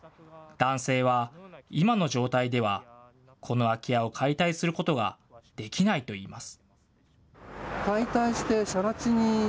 男性は、今の状態ではこの空き家を解体することができないといいます。